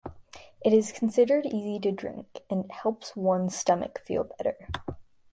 It is considered easy to drink and helps one's stomach feel better.